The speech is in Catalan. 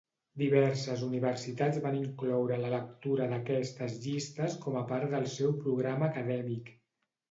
Diverses universitats van incloure la lectura d'aquestes llistes com a part del seu programa acadèmic.